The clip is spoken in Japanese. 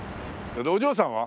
お嬢さんは？